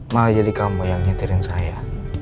malah jadi kamu yang nyetirin saya